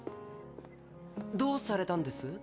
どうされたんです？